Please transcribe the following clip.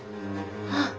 ああ。